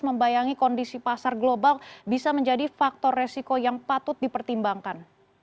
membayangi kondisi pasar global bisa menjadi faktor resiko yang patut dipertimbangkan